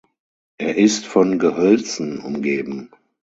Er ist von Gehölzen umgeben.